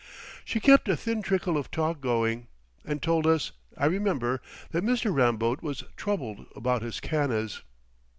She kept a thin trickle of talk going, and told us, I remember, that Mr. Ramboat was "troubled" about his cannas.